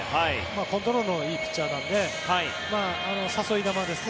コントロールのいいピッチャーなので誘い球ですね。